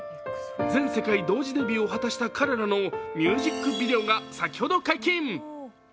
全世界同時デビューを果たしたミュージックビデオが先ほど解禁。